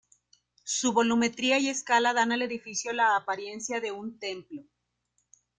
Su volumetría y escala dan al edificio la apariencia de un templo.